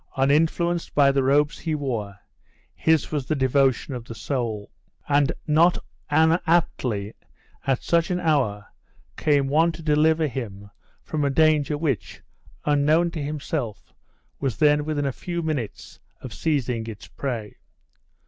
Uninfluenced by the robes he wore, his was the devotion of the soul; and not unaptly at such an hour came one to deliver him from a danger which, unknown to himself, was then within a few minutes of seizing its prey.